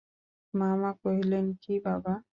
মামা কহিলেন, কী বাবা?